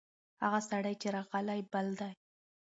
هغه سړی چې راغلی، بل دی.